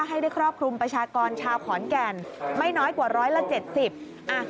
ให้ได้ครอบครุมประชากรชาวขอนแก่นไม่น้อยกว่าร้อยและ๗๐